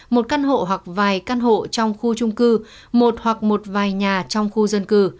một căn hộ hoặc vài căn hộ trong khu trung cư một hoặc một vài nhà trong khu dân cư